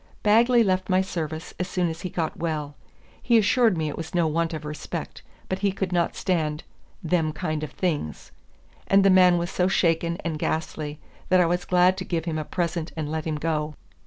Bagley left my service as soon as he got well. He assured me it was no want of respect, but he could not stand "them kind of things;" and the man was so shaken and ghastly that I was glad to give him a present and let him go.